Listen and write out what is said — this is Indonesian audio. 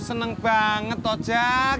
lo seneng banget toh jak